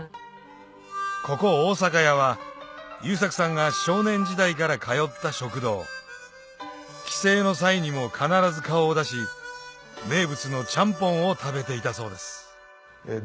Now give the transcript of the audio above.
ここ大阪屋は優作さんが少年時代から通った食堂帰省の際にも必ず顔を出し名物のちゃんぽんを食べていたそうです